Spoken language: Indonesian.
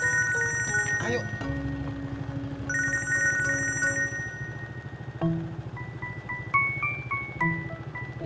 iya mbak yanti